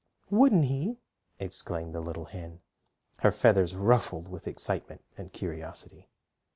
"Wouldn't he?" exclaimed the little hen, her feathers ruffled with excitement and curiosity.